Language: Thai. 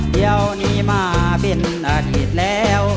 เดี๋ยวนี้มาเป็นอดีตแล้ว